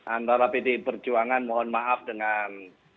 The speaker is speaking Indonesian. antara pdi perjuangan mohon maaf dengan